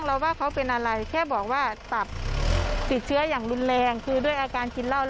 อ้าวแล้วมันคืออะไรอ่ะ